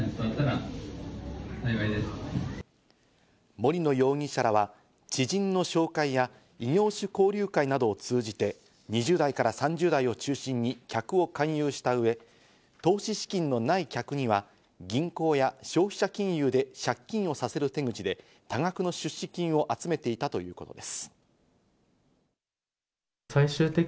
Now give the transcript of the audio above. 森野容疑者らは知人の紹介や異業種交流会などを通じて、２０代から３０代を中心に客を勧誘したうえ、投資資金のない客には銀行や消費者金融で借金をさせる手口で、多額の出資金を集めていたということです。